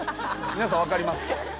皆さん分かりますか？